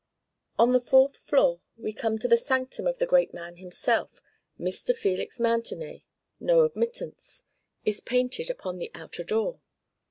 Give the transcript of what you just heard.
On the fourth floor we come to the sanctum of the great man himself. "Mr. Felix Mountenay No admittance," is painted upon the outer door.